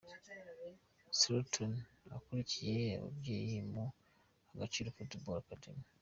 Straton ukuriye ababyeyi mu Agaciro Football Academy.